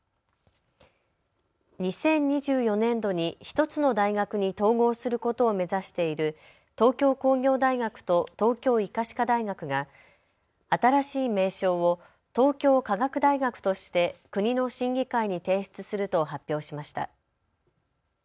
２０２４年度に１つの大学に統合することを目指している東京工業大学と東京医科歯科大学が新しい名称を東京科学大学として国の審議会に提出すると発表しました。